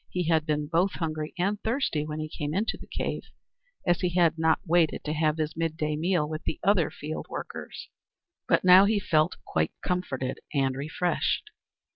He had been both hungry and thirsty when he came into the cave, as he had not waited to have his midday meal with the other field workers; but now he felt quite comforted and refreshed.